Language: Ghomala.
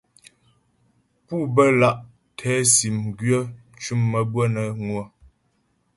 Pú bə́́ lǎ' tɛ sìm gwyə̌ mcʉ̀m maə́bʉə̌'ə nə́ ŋwə̌.